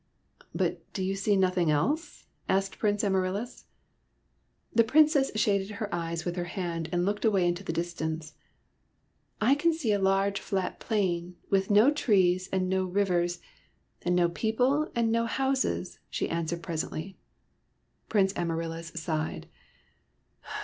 " But do you see nothing else ?" asked Prince Amaryllis. The Princess shaded her eyes with her hand and looked away into the distance. " I can see a large flat plain, with no trees and no rivers SOMEBODY ELSE'S PRINCE 79 and no people and no houses," she answered presently. Prince Amaryllis sighed.